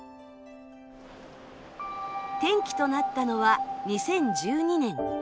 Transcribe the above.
転機となったのは２０１２年。